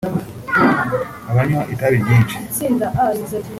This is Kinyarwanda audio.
abanywa itabi ryinshi